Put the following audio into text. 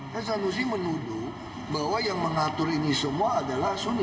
kesanusi menuduh bahwa yang mengatur ini semua adalah suni